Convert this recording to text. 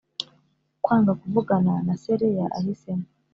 Kwanga kuvugana na se Leah ahisemo